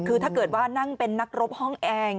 คือถ้าเกิดว่านั่งเป็นนักรบห้องเอง